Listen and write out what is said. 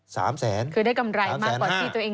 คือได้กำไรมากกว่าที่ตัวเอง